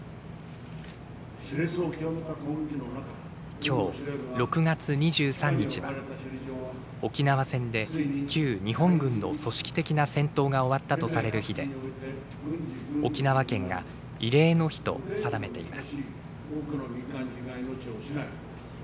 きょう６月２３日は、沖縄戦で旧日本軍の組織的な戦闘が終わったとされる日で沖縄県が慰霊の日と定めています。